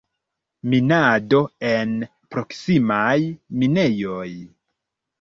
Minado en proksimaj minejoj.